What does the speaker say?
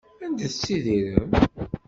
Anda tettttidirem?